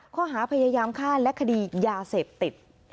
ข้อหาพยายามฆ่าและคดียาเสพติด